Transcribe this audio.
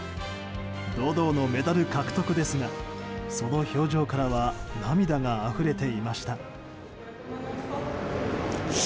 堂々のメダル獲得ですがその表情からは涙があふれていました。